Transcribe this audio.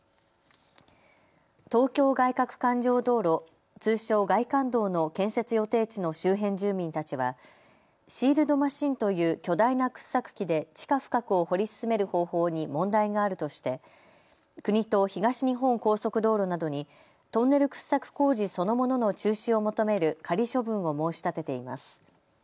東京外かく環状道路・通称、外環道の建設予定地の周辺住民たちはシールドマシンという巨大な掘削機で地下深くを掘り進める方法に問題があるとして国と東日本高速道路などにトンネル掘削工事そのものの中止を求める仮処分を申し立てています。